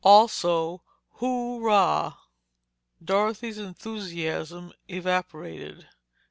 Also, hooray!" Dorothy's enthusiasm evaporated.